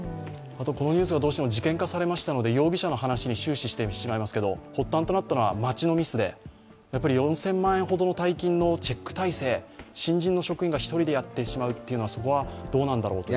このニュースが事件化されましたので、容疑者の話に終始してしまいますが、発端となったのは町のミスで４０００万円ほどの大金のチェック体制、新人の職員が１人でやってしまうというのはどうなんだろうと。